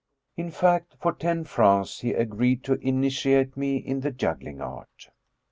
In fact, for ten francs he agreed to in itiate me in the juggling art.